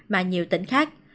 mà nhiều tỉnh khác